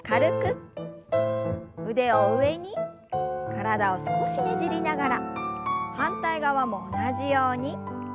体を少しねじりながら反対側も同じように。